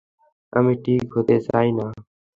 আমি ঠিক হতে চাই না।